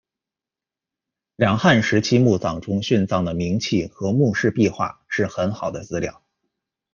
两汉时期墓葬中殉葬的冥器和墓室壁画是很好的资料。